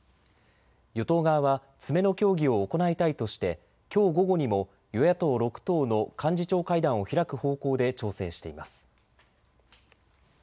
与党側は詰めの協議を行いたいとして、きょう午後にも与野党６党の幹事長会談を開く方向で調整しています。